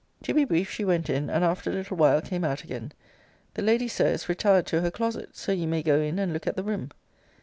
To be brief, she went in; and after a little while came out again. The lady, Sir, is retired to her closet. So you may go in and look at the room.